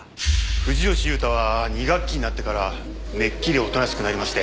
藤吉祐太は２学期になってからめっきりおとなしくなりまして。